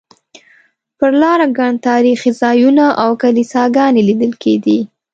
پر لاره ګڼ تاریخي ځایونه او کلیساګانې لیدل کېدې.